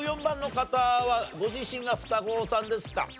５４番の方はご自身が双子さんですか？